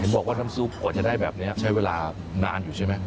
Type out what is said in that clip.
บอกว่าน้ำซุปกว่าจะได้แบบนี้ใช้เวลานานอยู่ใช่ไหม